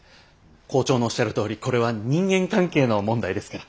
校長のおっしゃるとおりこれは人間関係の問題ですから。